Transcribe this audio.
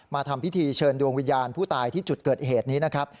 ทำพิธีเชิญดวงวิญญาณผู้ตายที่จุดเกิดเหตุนี้นะครับ